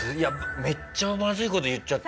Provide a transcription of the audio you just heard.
めっちゃまずい事言っちゃった。